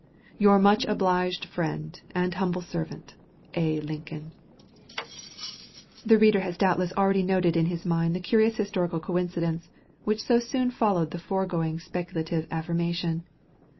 Your much obliged friend, and humble servant, A. LINCOLN. The reader has doubtless already noted in his mind the curious historical coincidence which so soon followed the foregoing speculative affirmation.